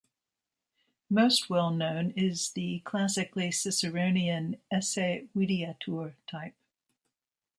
Most well known is the classically Ciceronian "esse videatur" type.